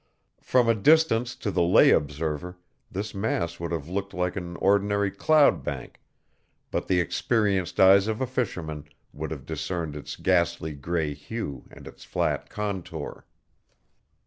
From a distance to the lay observer this mass would have looked like an ordinary cloud bank, but the experienced eyes of a fisherman would have discerned its ghastly gray hue and its flat contour.